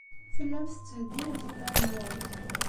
Tellamt tettheddinemt iman-nwent.